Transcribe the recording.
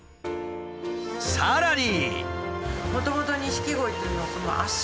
さらに。